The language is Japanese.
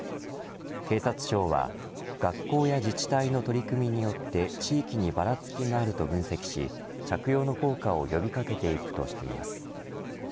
警察庁は学校や自治体の取り組みによって地域にばらつきがあると分析し着用の効果を呼び掛けていくとしています。